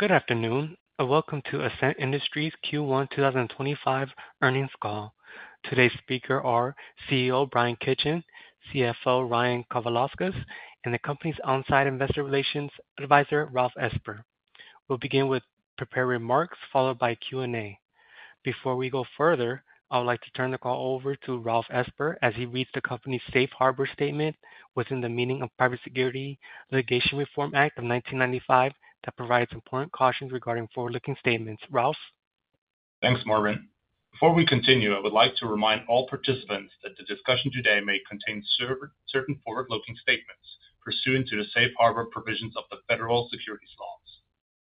Good afternoon and welcome to Ascent Industries Q1 2025 earnings call. Today's speakers are CEO Bryan Kitchen, CFO Ryan Kavalauskas, and the company's onsite investor relations advisor, Ralf Esper. We'll begin with prepared remarks followed by Q&A. Before we go further, I would like to turn the call over to Ralf Esper as he reads the company's safe harbor statement within the meaning of Private Securities Litigation Reform Act of 1995 that provides important cautions regarding forward-looking statements. Ralf. Thanks, Morgan. Before we continue, I would like to remind all participants that the discussion today may contain certain forward-looking statements pursuant to the safe harbor provisions of the federal securities laws.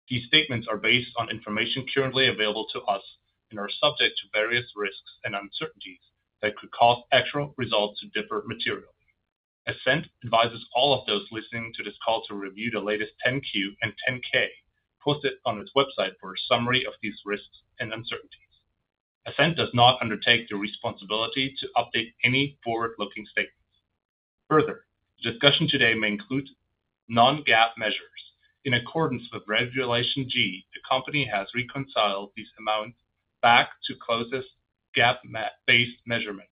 These statements are based on information currently available to us and are subject to various risks and uncertainties that could cause actual results to differ materially. Ascent advises all of those listening to this call to review the latest 10-Q and 10-K posted on its website for a summary of these risks and uncertainties. Ascent does not undertake the responsibility to update any forward-looking statements. Further, the discussion today may include non-GAAP measures. In accordance with Regulation G, the company has reconciled these amounts back to closest GAAP-based measurement.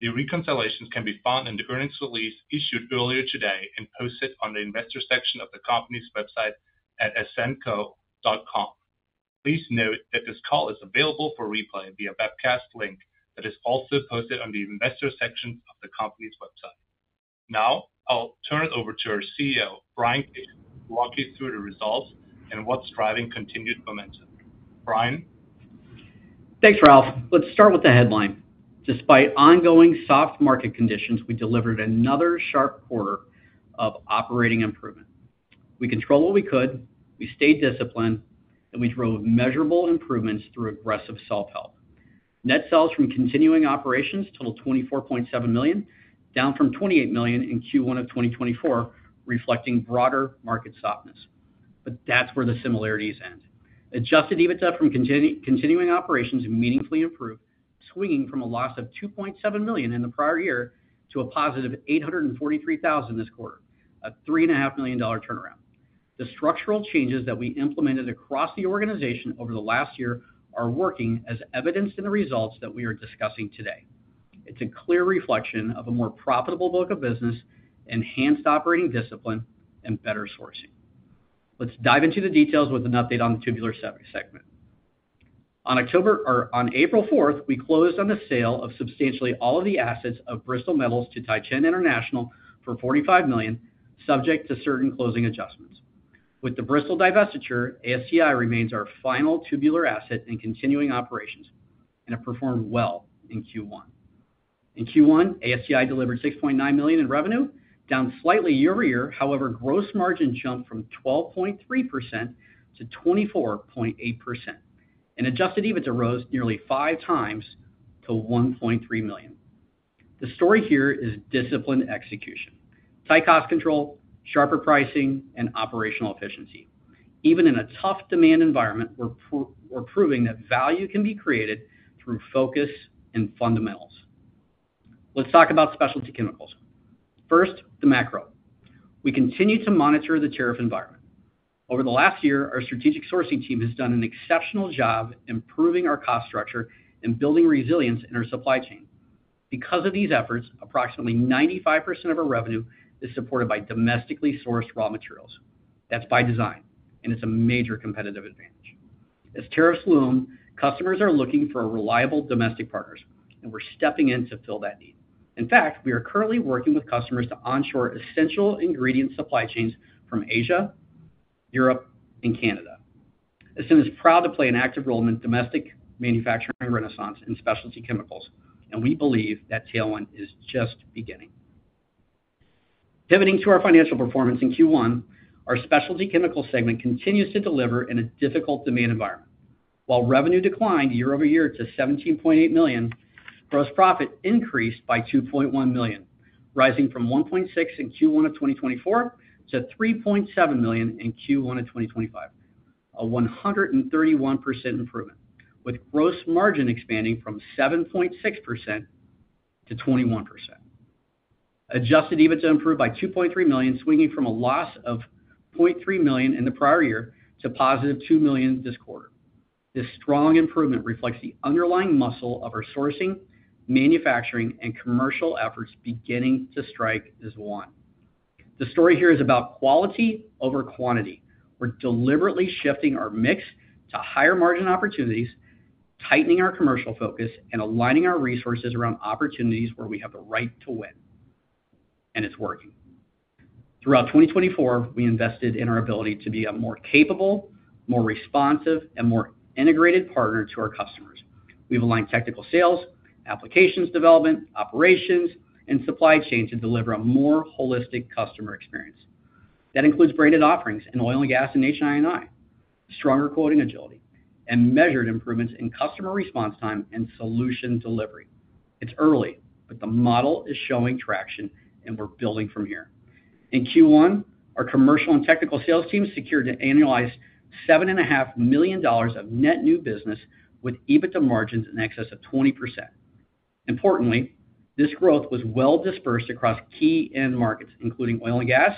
The reconciliations can be found in the earnings release issued earlier today and posted on the investor section of the company's website at ascentco.com. Please note that this call is available for replay via webcast link that is also posted on the investor section of the company's website. Now, I'll turn it over to our CEO, Bryan Kitchen, to walk you through the results and what's driving continued momentum. Bryan. Thanks, Ralf. Let's start with the headline. Despite ongoing soft market conditions, we delivered another sharp quarter of operating improvement. We controlled what we could, we stayed disciplined, and we drove measurable improvements through aggressive self-help. Net sales from continuing operations totaled $24.7 million, down from $28 million in Q1 of 2024, reflecting broader market softness. That is where the similarities end. Adjusted EBITDA from continuing operations meaningfully improved, swinging from a loss of $2.7 million in the prior year to a positive $843,000 this quarter, a $3.5 million turnaround. The structural changes that we implemented across the organization over the last year are working, as evidenced in the results that we are discussing today. It is a clear reflection of a more profitable book of business, enhanced operating discipline, and better sourcing. Let's dive into the details with an update on the Tubular Segment. On April 4, we closed on the sale of substantially all of the assets of Bristol Metals to Taicang International for $45 million, subject to certain closing adjustments. With the Bristol divestiture, ASCI remains our final tubular asset in continuing operations, and it performed well in Q1. In Q1, ASCI delivered $6.9 million in revenue, down slightly year-over-year; however, gross margin jumped from 12.3% to 24.8%. Adjusted EBITDA rose nearly five times to $1.3 million. The story here is disciplined execution: high cost control, sharper pricing, and operational efficiency. Even in a tough demand environment, we're proving that value can be created through focus and fundamentals. Let's talk about specialty chemicals. First, the macro. We continue to monitor the tariff environment. Over the last year, our strategic sourcing team has done an exceptional job improving our cost structure and building resilience in our supply chain. Because of these efforts, approximately 95% of our revenue is supported by domestically sourced raw materials. That's by design, and it's a major competitive advantage. As tariffs loom, customers are looking for reliable domestic partners, and we're stepping in to fill that need. In fact, we are currently working with customers to onshore essential ingredient supply chains from Asia, Europe, and Canada. Ascent is proud to play an active role in domestic manufacturing renaissance in specialty chemicals, and we believe that tailwind is just beginning. Pivoting to our financial performance in Q1, our specialty chemicals segment continues to deliver in a difficult demand environment. While revenue declined year-over-year to $17.8 million, gross profit increased by $2.1 million, rising from $1.6 million in Q1 of 2024 to $3.7 million in Q1 of 2025, a 131% improvement, with gross margin expanding from 7.6% to 21%. Adjusted EBITDA improved by $2.3 million, swinging from a loss of $0.3 million in the prior year to positive $2 million this quarter. This strong improvement reflects the underlying muscle of our sourcing, manufacturing, and commercial efforts beginning to strike as one. The story here is about quality over quantity. We are deliberately shifting our mix to higher margin opportunities, tightening our commercial focus, and aligning our resources around opportunities where we have the right to win. It is working. Throughout 2024, we invested in our ability to be a more capable, more responsive, and more integrated partner to our customers. We have aligned technical sales, applications development, operations, and supply chain to deliver a more holistic customer experience. That includes branded offerings in oil and gas and HI&I, stronger quoting agility, and measured improvements in customer response time and solution delivery. It's early, but the model is showing traction, and we're building from here. In Q1, our commercial and technical sales team secured an annualized $7.5 million of net new business with EBITDA margins in excess of 20%. Importantly, this growth was well dispersed across key end markets, including oil and gas,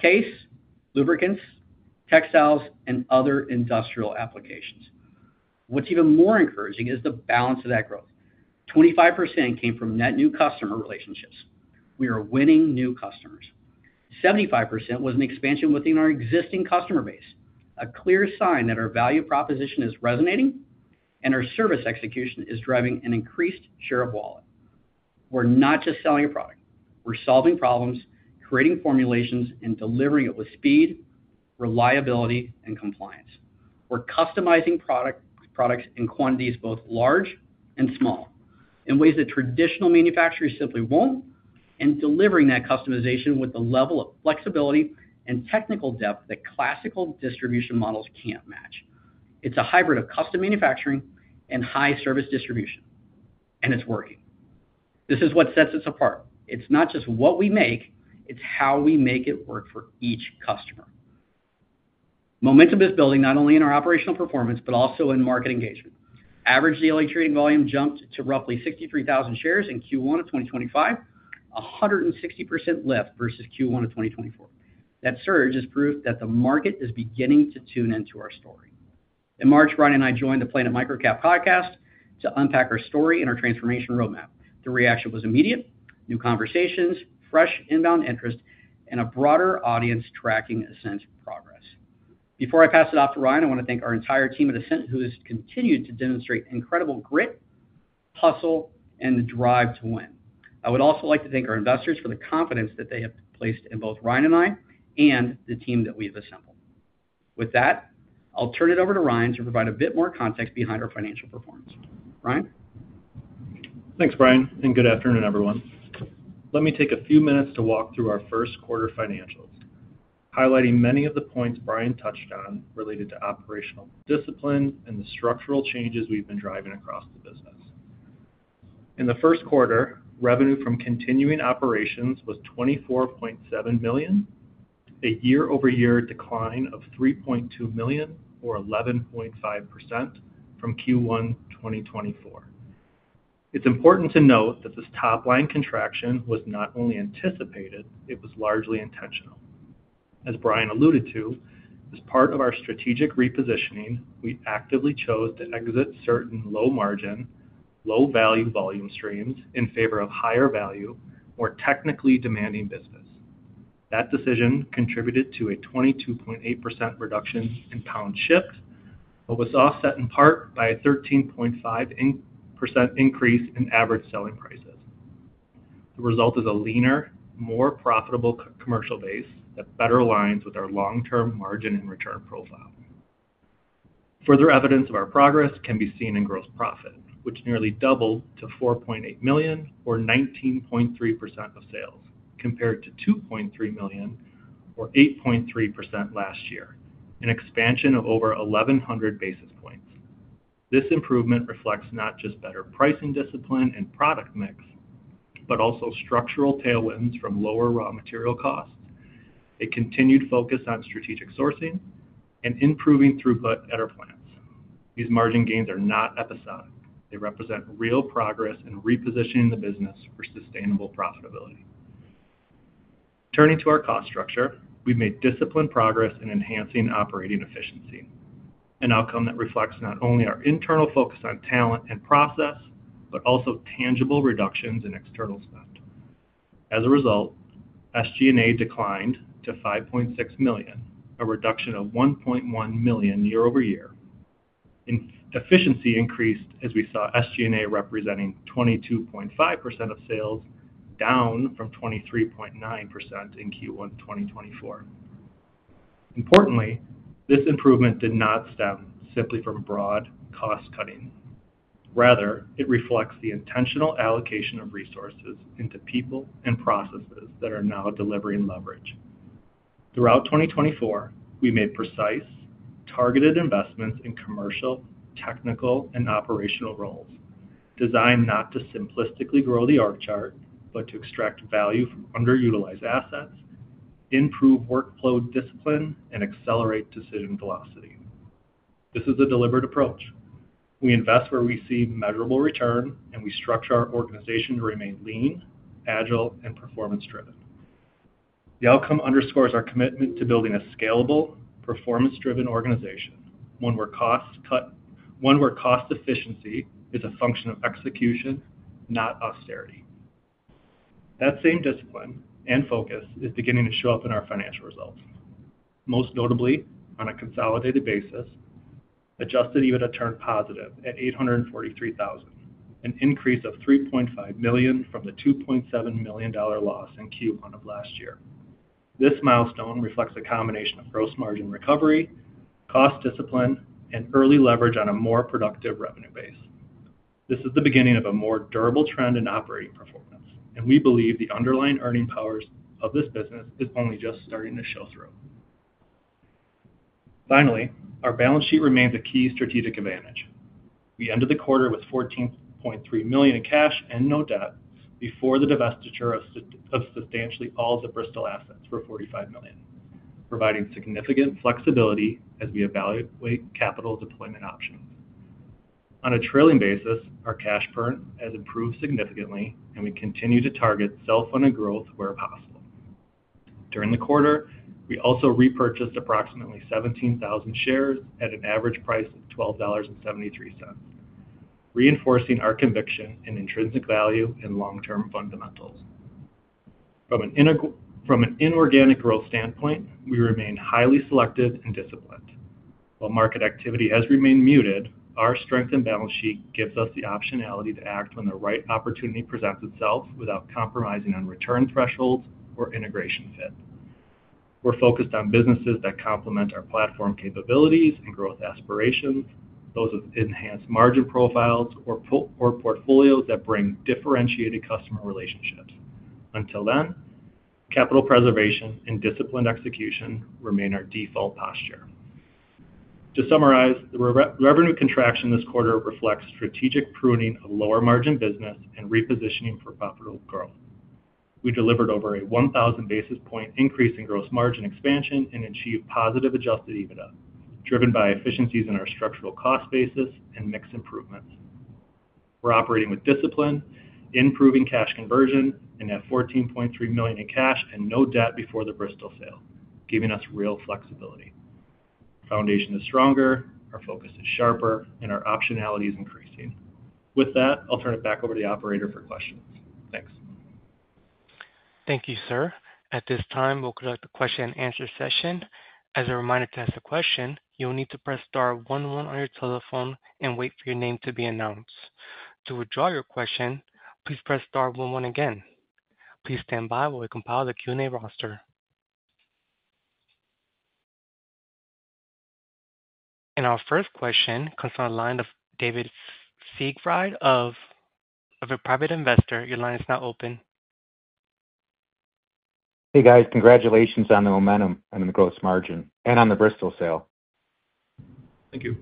CASE, lubricants, textiles, and other industrial applications. What's even more encouraging is the balance of that growth. 25% came from net new customer relationships. We are winning new customers. 75% was an expansion within our existing customer base, a clear sign that our value proposition is resonating and our service execution is driving an increased share of wallet. We're not just selling a product. We're solving problems, creating formulations, and delivering it with speed, reliability, and compliance. We're customizing products and quantities both large and small in ways that traditional manufacturers simply won't, and delivering that customization with the level of flexibility and technical depth that classical distribution models can't match. It's a hybrid of custom manufacturing and high-service distribution, and it's working. This is what sets us apart. It's not just what we make; it's how we make it work for each customer. Momentum is building not only in our operational performance, but also in market engagement. Average daily trading volume jumped to roughly 63,000 shares in Q1 of 2025, a 160% lift versus Q1 of 2024. That surge is proof that the market is beginning to tune into our story. In March, Ryan and I joined the Planet MicroCap podcast to unpack our story and our transformation roadmap. The reaction was immediate: new conversations, fresh inbound interest, and a broader audience tracking Ascent's progress. Before I pass it off to Ryan, I want to thank our entire team at Ascent, who has continued to demonstrate incredible grit, hustle, and the drive to win. I would also like to thank our investors for the confidence that they have placed in both Ryan and I and the team that we have assembled. With that, I'll turn it over to Ryan to provide a bit more context behind our financial performance. Ryan? Thanks, Bryan, and good afternoon, everyone. Let me take a few minutes to walk through our first quarter financials, highlighting many of the points Bryan touched on related to operational discipline and the structural changes we've been driving across the business. In the first quarter, revenue from continuing operations was $24.7 million, a year-over-year decline of $3.2 million, or 11.5% from Q1 2024. It's important to note that this top-line contraction was not only anticipated, it was largely intentional. As Bryan alluded to, as part of our strategic repositioning, we actively chose to exit certain low-margin, low-value volume streams in favor of higher-value, more technically demanding business. That decision contributed to a 22.8% reduction in pound-shipments, but was offset in part by a 13.5% increase in average selling prices. The result is a leaner, more profitable commercial base that better aligns with our long-term margin and return profile. Further evidence of our progress can be seen in gross profit, which nearly doubled to $4.8 million, or 19.3% of sales, compared to $2.3 million, or 8.3% last year, an expansion of over 1,100 basis points. This improvement reflects not just better pricing discipline and product mix, but also structural tailwinds from lower raw material costs, a continued focus on strategic sourcing, and improving throughput at our plants. These margin gains are not episodic. They represent real progress in repositioning the business for sustainable profitability. Turning to our cost structure, we've made disciplined progress in enhancing operating efficiency, an outcome that reflects not only our internal focus on talent and process, but also tangible reductions in external spend. As a result, SG&A declined to $5.6 million, a reduction of $1.1 million year-over-year. Efficiency increased as we saw SG&A representing 22.5% of sales, down from 23.9% in Q1 2024. Importantly, this improvement did not stem simply from broad cost cutting. Rather, it reflects the intentional allocation of resources into people and processes that are now delivering leverage. Throughout 2024, we made precise, targeted investments in commercial, technical, and operational roles, designed not to simplistically grow the org chart, but to extract value from underutilized assets, improve workflow discipline, and accelerate decision velocity. This is a deliberate approach. We invest where we see measurable return, and we structure our organization to remain lean, agile, and performance-driven. The outcome underscores our commitment to building a scalable, performance-driven organization, one where cost efficiency is a function of execution, not austerity. That same discipline and focus is beginning to show up in our financial results, most notably on a consolidated basis. Adjusted EBITDA turned positive at $843,000, an increase of $3.5 million from the $2.7 million loss in Q1 of last year. This milestone reflects a combination of gross margin recovery, cost discipline, and early leverage on a more productive revenue base. This is the beginning of a more durable trend in operating performance, and we believe the underlying earning powers of this business are only just starting to show through. Finally, our balance sheet remains a key strategic advantage. We ended the quarter with $14.3 million in cash and no debt before the divestiture of substantially all of the Bristol assets for $45 million, providing significant flexibility as we evaluate capital deployment options. On a trailing basis, our cash burn has improved significantly, and we continue to target self-funded growth where possible. During the quarter, we also repurchased approximately 17,000 shares at an average price of $12.73, reinforcing our conviction in intrinsic value and long-term fundamentals. From an inorganic growth standpoint, we remain highly selective and disciplined. While market activity has remained muted, our strength and balance sheet gives us the optionality to act when the right opportunity presents itself without compromising on return thresholds or integration fit. We're focused on businesses that complement our platform capabilities and growth aspirations, those with enhanced margin profiles or portfolios that bring differentiated customer relationships. Until then, capital preservation and disciplined execution remain our default posture. To summarize, the revenue contraction this quarter reflects strategic pruning of lower-margin business and repositioning for profitable growth. We delivered over a 1,000 basis point increase in gross margin expansion and achieved positive adjusted EBITDA, driven by efficiencies in our structural cost basis and mix improvements. We're operating with discipline, improving cash conversion, and have $14.3 million in cash and no debt before the Bristol sale, giving us real flexibility. Foundation is stronger, our focus is sharper, and our optionality is increasing. With that, I'll turn it back over to the operator for questions. Thanks. Thank you, sir. At this time, we'll conduct a question-and-answer session. As a reminder to ask a question, you'll need to press star one one on your telephone and wait for your name to be announced. To withdraw your question, please press star one one again. Please stand by while we compile the Q&A roster. Our first question comes from the line of David Siegfried, a private investor. Your line is now open. Hey, guys. Congratulations on the momentum and the gross margin and on the Bristol sale. Thank you.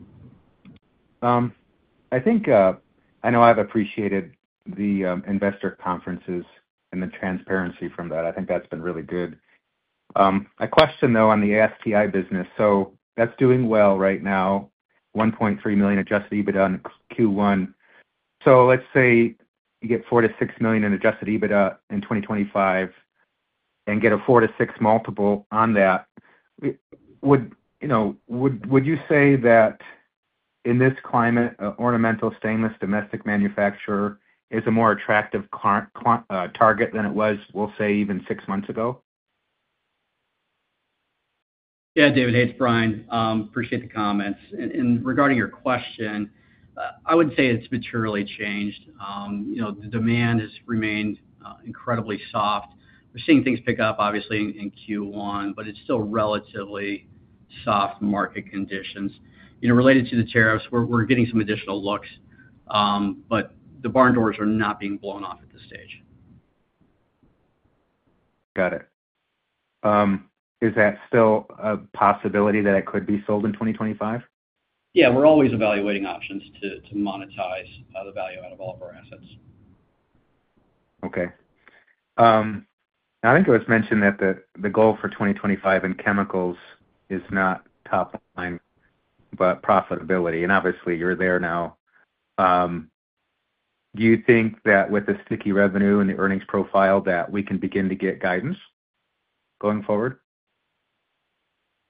I think I know I've appreciated the investor conferences and the transparency from that. I think that's been really good. My question, though, on the ASTI business. So that's doing well right now, $1.3 million adjusted EBITDA in Q1. Let's say you get $4-$6 million in adjusted EBITDA in 2025 and get a 4-6 multiple on that. Would you say that in this climate, an ornamental stainless domestic manufacturer is a more attractive target than it was, we'll say, even six months ago? Yeah, David, thanks, Bryan. Appreciate the comments. Regarding your question, I would say it's materially changed. The demand has remained incredibly soft. We're seeing things pick up, obviously, in Q1, but it's still relatively soft market conditions. Related to the tariffs, we're getting some additional looks, but the barn doors are not being blown off at this stage. Got it. Is that still a possibility that it could be sold in 2025? Yeah, we're always evaluating options to monetize the value out of all of our assets. Okay. I think it was mentioned that the goal for 2025 in chemicals is not top line, but profitability. Obviously, you're there now. Do you think that with the sticky revenue and the earnings profile that we can begin to get guidance going forward?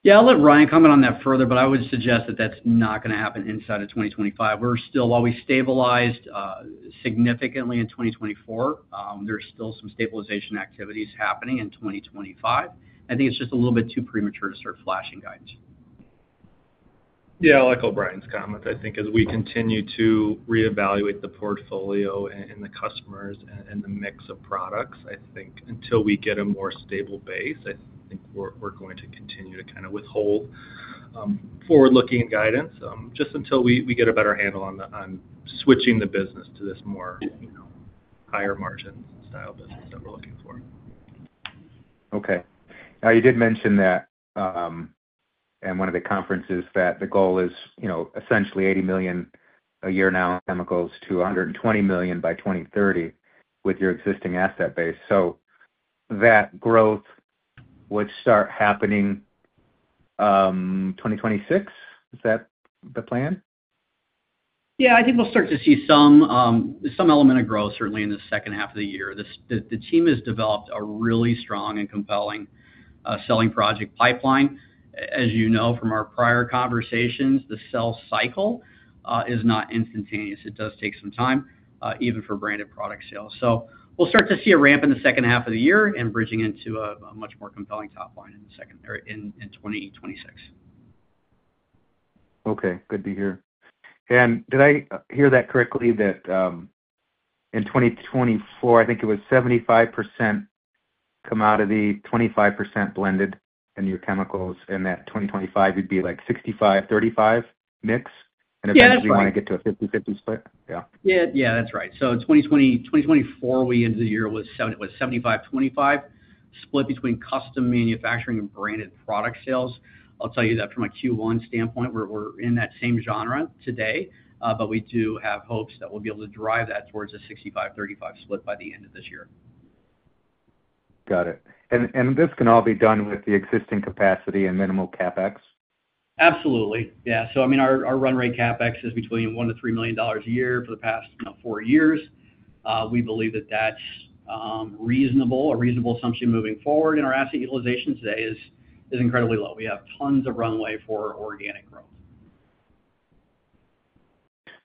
Yeah, I'll let Ryan comment on that further, but I would suggest that that's not going to happen inside of 2025. We're still always stabilized significantly in 2024. There's still some stabilization activities happening in 2025. I think it's just a little bit too premature to start flashing guidance. Yeah, I like all Bryan's comments. I think as we continue to reevaluate the portfolio and the customers and the mix of products, I think until we get a more stable base, I think we're going to continue to kind of withhold forward-looking guidance just until we get a better handle on switching the business to this more higher margins style business that we're looking for. Okay. Now, you did mention that in one of the conferences that the goal is essentially $80 million a year now in chemicals to $120 million by 2030 with your existing asset base. So that growth would start happening 2026. Is that the plan? Yeah, I think we'll start to see some element of growth, certainly in the second half of the year. The team has developed a really strong and compelling selling project pipeline. As you know from our prior conversations, the sales cycle is not instantaneous. It does take some time, even for branded product sales. We'll start to see a ramp in the second half of the year and bridging into a much more compelling top line in 2026. Okay. Good to hear. Did I hear that correctly that in 2024, I think it was 75% commodity, 25% blended in your chemicals, and that 2025 would be like 65/35 mix? Essentially, you want to get to a 50/50 split? Yeah, that's right. In 2024, we ended the year with a 75/25 split between custom manufacturing and branded product sales. I'll tell you that from a Q1 standpoint, we're in that same genre today, but we do have hopes that we'll be able to drive that towards a 65/35 split by the end of this year. Got it. This can all be done with the existing capacity and minimal CapEx? Absolutely. Yeah. So I mean, our run rate CapEx is between $1-$3 million a year for the past four years. We believe that that's reasonable. A reasonable assumption moving forward in our asset utilization today is incredibly low. We have tons of runway for organic growth.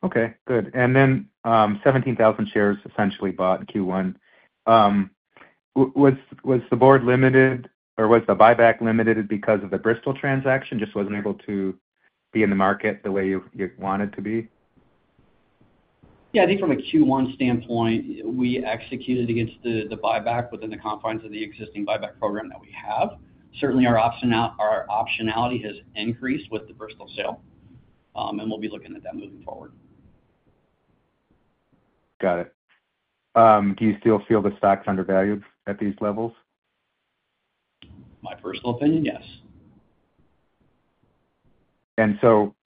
Okay. Good. And then 17,000 shares essentially bought in Q1. Was the board limited or was the buyback limited because of the Bristol transaction? Just wasn't able to be in the market the way you want it to be? Yeah. I think from a Q1 standpoint, we executed against the buyback within the confines of the existing buyback program that we have. Certainly, our optionality has increased with the Bristol sale, and we'll be looking at that moving forward. Got it. Do you still feel the stock's undervalued at these levels? My personal opinion, yes.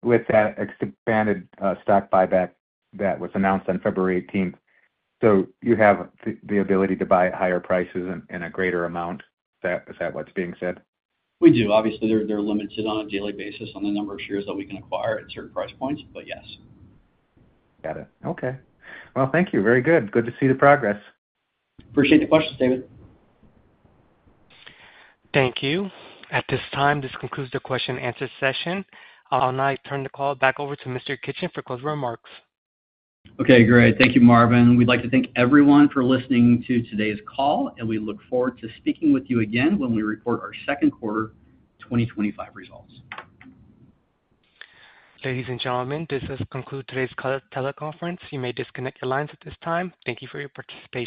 With that expanded stock buyback that was announced on February 18th, you have the ability to buy at higher prices and a greater amount. Is that what's being said? We do. Obviously, they're limited on a daily basis on the number of shares that we can acquire at certain price points, but yes. Got it. Okay. Thank you. Very good. Good to see the progress. Appreciate the questions, David. Thank you. At this time, this concludes the question-and-answer session. I'll now turn the call back over to Mr. Kitchen for closing remarks. Okay. Great. Thank you, Marvin. We'd like to thank everyone for listening to today's call, and we look forward to speaking with you again when we report our second quarter 2025 results. Ladies and gentlemen, this does conclude today's teleconference. You may disconnect your lines at this time. Thank you for your participation.